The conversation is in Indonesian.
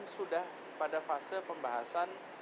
sudah pada fase pembahasan